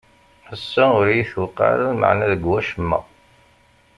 Ass-a ur iyi-tewqeɛ lmeɛna deg wacemma.